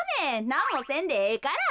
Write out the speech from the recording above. なんもせんでええから。